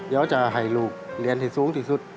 อยากจะให้ลูกเรียนให้สูงที่สุด